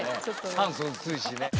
酸素薄いしね。